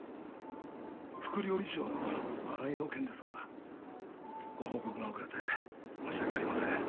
副料理長の新井の件ですがご報告が遅れて申し訳ありません。